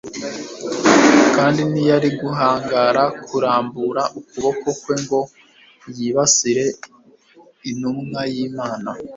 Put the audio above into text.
kandi ntiyari guhangara kurambura ukuboko kwe ngo yibasire intumwa yImana